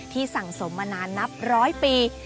สั่งสมมานานนับร้อยปี